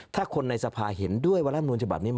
ถ้าคนในสภาเห็นด้วยว่ารัฐมนุนฉบับนี้